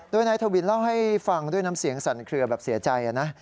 โดยนายทวินเล่าให้ฟังด้วยน้ำเสียงสั่นเคลือแบบเสียใจนะ